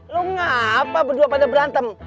lo ngapa berdua pada berantem